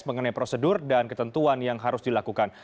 mengenai prosedur dan ketentuan yang harus dilakukan